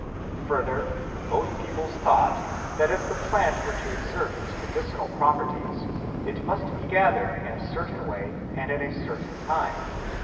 Further, both peoples thought that if the plant were to exert its medicinal properties it must be gathered in a certain way and at a certain time.